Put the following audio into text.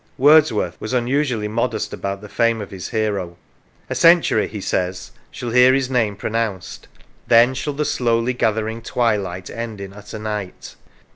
Wordsworth was unusually modest about the fame of his hero: " A century," he says, " shall hear his name pronounced; then shall the slowly gathering twilight end in utter night."